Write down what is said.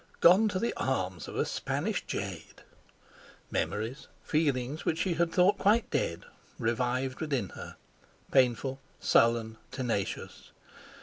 Gone to the arms of a Spanish Jade! Memories, feelings, which she had thought quite dead, revived within her, painful, sullen, tenacious.